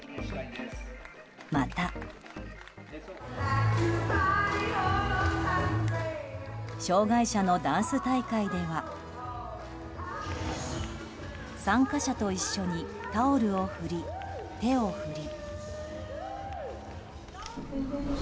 また、障害者のダンス大会では参加者と一緒にタオルを振り手を振り。